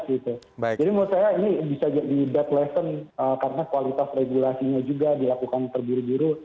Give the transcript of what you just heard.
jadi menurut saya ini bisa jadi bad lesson karena kualitas regulasinya juga dilakukan terburu buru